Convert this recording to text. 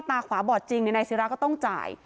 ตาขวาบอดจริงนายศิราก็ต้องจ่าย